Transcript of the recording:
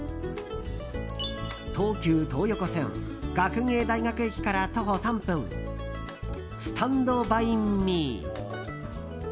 東急東横線学芸大学駅から徒歩３分スタンドバインミー。